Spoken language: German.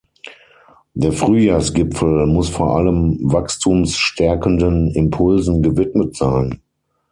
Der Frühjahrsgipfel muss vor allem wachstumsstärkenden Impulsen gewidmet sein.